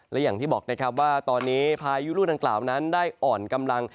และอย่างที่บอกนะครับว่าตอนนี้พายุลูกดังกล่าวนั้นได้อ่อนกำลัง